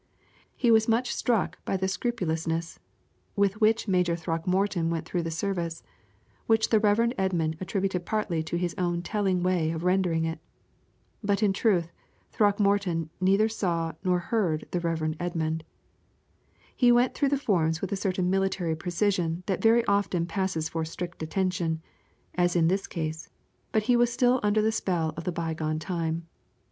He was much struck by the scrupulousness with which Major Throckmorton went through the service, which the Rev. Edmund attributed partly to his own telling way of rendering it. But in truth, Throckmorton neither saw nor heard the Rev. Edmund. He went through the forms with a certain military precision that very often passed for strict attention, as in this case, but he was still under the spell of the bygone time.